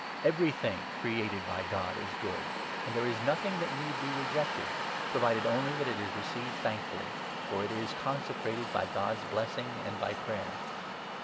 Everything created by God is good, and there is nothing 4 that need be rejected — provided only that it is received thankfully ; for it is consecrated by God's blessing and' ]by 5 prayer.